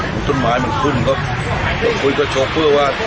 มีต้นไม้มันขึ้นเขาพูดกับโชครับว่า